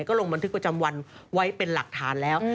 ก็ลงบันทึกประจำวันไว้เป็นหลักฐานแล้ว